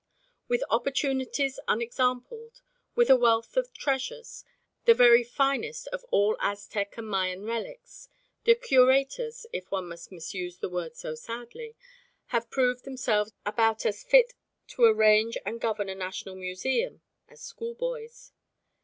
With opportunities unexampled, with a wealth of treasures, the very finest of all Aztec and Mayan relics, the curators, if one must misuse the word so sadly, have proved themselves about as fit to arrange and govern a national museum as schoolboys.